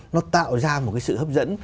nó tạo ra một cái sự hấp dẫn